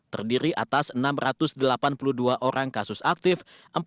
terdiri atas enam ratus delapan puluh dua orang kasus aktif